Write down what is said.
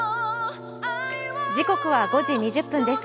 時刻は５時２０分です。